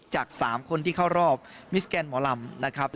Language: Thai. จาก๓คนที่เข้ารอบมิสแกนหมอลำนะครับ